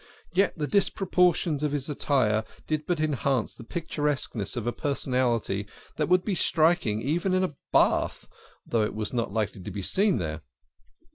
Yet the dis proportions of his attire did but enhance the picturesqueness of a personality that would be striking even in a bath, though it was not likely to be seen there.